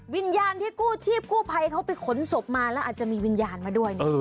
วิญญาณที่กู้ชีพกู้ภัยเขาไปขนศพมาแล้วอาจจะมีวิญญาณมาด้วยเนี่ย